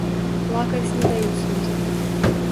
Плакаць не даюць людзям!